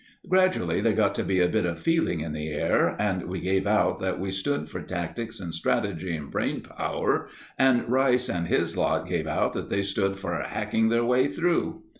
Gradually there got to be a bit of feeling in the air, and we gave out that we stood for tactics and strategy and brain power, and Rice and his lot gave out that they stood for hacking their way through.